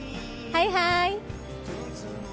はいはーい。